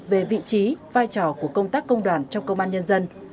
về vị trí vai trò của công tác công đoàn trong công an nhân dân